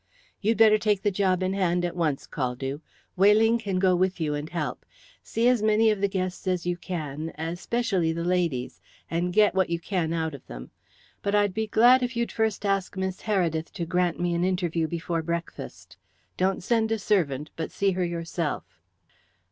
You'd better take the job in hand at once, Caldew. Weyling can go with you and help. See as many of the guests as you can especially the ladies and get what you can out of them. But I'd be glad if you'd first ask Miss Heredith to grant me an interview before breakfast. Don't send a servant, but see her yourself."